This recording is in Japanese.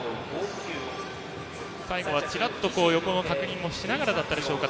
最後はチラッと横の確認もしながらだったでしょうか。